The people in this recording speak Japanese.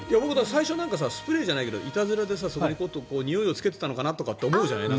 最初スプレーじゃないけどいたずらで、そこににおいをつけていたのかなと思うじゃない。